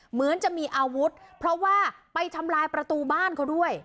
เหมือนจะมีอาวุธเพราะว่าไปทำลายประตูบ้านเขาด้วย